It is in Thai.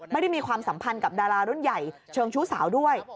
มีความสัมพันธ์กับดารารุ่นใหญ่เชิงชู้สาวด้วย